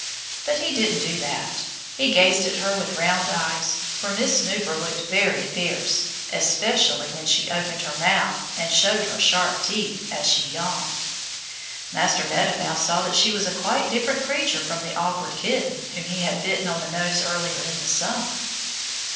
But he didn't do that. He gazed at her with round eyes, for Miss Snooper looked very fierce, especially when she opened her mouth and showed her sharp teeth as she yawned. Master Meadow Mouse saw that she was a quite different creature from the awkward kitten whom he had bitten on the nose earlier in the summer.